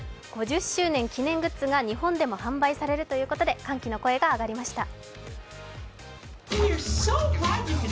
５０周年記念グッズが日本でも販売されるということで歓喜の声が上がりました。